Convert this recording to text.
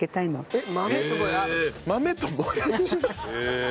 えっ！？